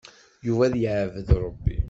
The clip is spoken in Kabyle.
Yuba ad yeɛbed Ṛebbi.